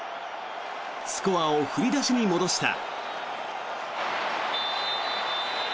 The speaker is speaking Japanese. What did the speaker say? スコアを振り出しに戻した。